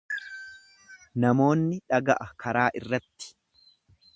Namoonni dhaga'a karaa irratti.